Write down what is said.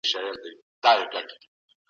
چي بالاخره دا حالت د استعمار په ګټه تمامېدی، چي